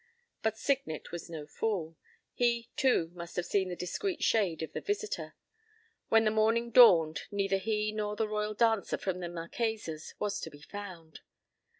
p> But Signet was no fool. He, too, must have seen the discreet shade of the visitor. When the morning dawned, neither he nor the royal dancer from the Marquesas was to be found.